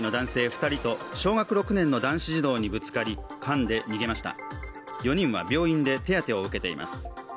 二人と小学６年の男子児童にぶつかりかんで逃げました４人は病院で手当てを受けています